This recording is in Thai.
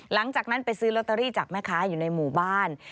หลังจากนั้นไปซื้อลอตเตอรี่จากแม่ค้าอยู่ในหมู่บ้าน